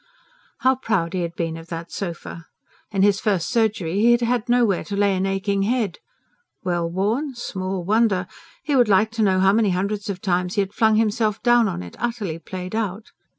How proud he had been of that sofa! In his first surgery he had had nowhere to lay an aching head. Well worn? Small wonder! He would like to know how many hundreds of times he had flung himself down on it, utterly played out.